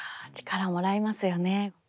ああ力もらいますよね。